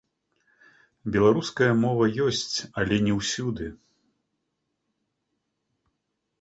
Беларуская мова ёсць, але не ўсюды.